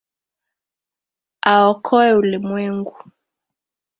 Aokoe ulimwengu.